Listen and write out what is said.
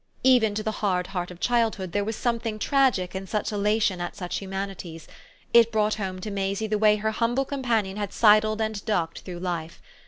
Even to the hard heart of childhood there was something tragic in such elation at such humanities: it brought home to Maisie the way her humble companion had sidled and ducked through life.